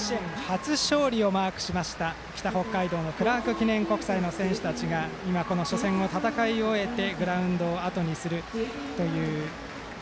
甲子園初勝利をマークした北北海道のクラーク記念国際の選手たちが今、初戦を戦い終えてグラウンドをあとにします。